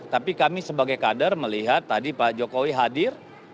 tapi kami sebagai kader melihat tadi pak jokowi hadir